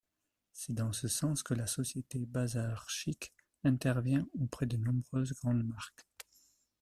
C’est dans ce sens que la société BazarChic intervient auprès de nombreuses grandes marques.